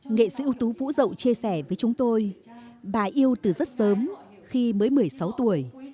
nghệ sĩ ưu tú vũ dậu chia sẻ với chúng tôi bà yêu từ rất sớm khi mới một mươi sáu tuổi